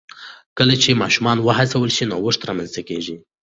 کله چې ماشومان وهڅول شي، نوښت رامنځته کېږي.